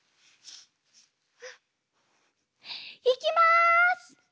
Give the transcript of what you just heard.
いきます！